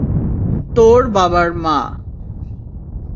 তোর বাবার মা।